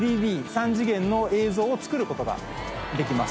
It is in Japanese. ３次元の映像を作ることができます。